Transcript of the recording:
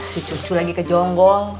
si cucu lagi ke jonggong